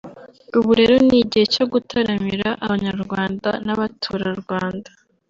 ubu rero ni igihe cyo gutaramira abanyaRwanda n'abatura Rwanda